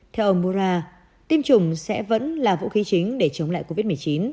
theo ông mura tiêm chủng sẽ vẫn là vũ khí chính để chống lại covid một mươi chín